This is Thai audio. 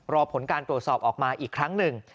รอผลการตรวจสอบออกมาอีกครั้งหนึ่ง